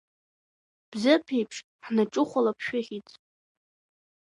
Бзыԥеиԥш ҳнаҿыхәалап шәыхьӡ…